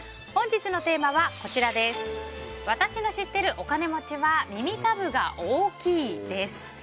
本日のテーマは私の知ってるお金持ちは耳たぶが大きいです。